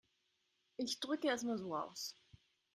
Ich drücke es mal so aus.